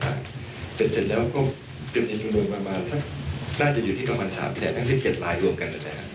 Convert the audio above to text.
เสร็จแล้วก็จะมีจำนวนประมาณน่าจะอยู่ที่ประมาณ๓แสนทั้ง๑๗ลายรวมกัน